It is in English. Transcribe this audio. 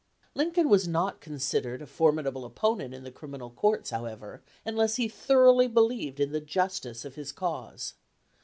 Lincoln was not considered a formidable op ponent in the criminal courts, however, unless he 14 237 LIXCOLN THE LAWYER thoroughly believed in the justice of his cause.